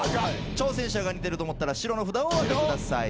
挑戦者が似てると思ったら白の札をお挙げください。